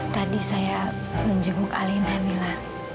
tadi saya menjemuk alena mila